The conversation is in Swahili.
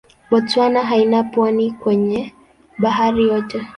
Botswana haina pwani kwenye bahari yoyote.